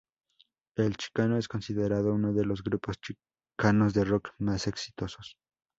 El Chicano es considerado uno de los grupos chicanos de rock más exitosos.